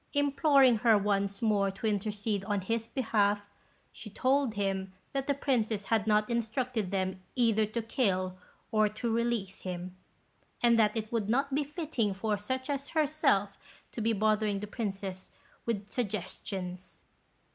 Imploring her once more to intercede on his behalf, she told him that the Princess had not instructed them either to kill or to release him, and that it would not be fitting for such as herself to be bothering the Princess with suggestions.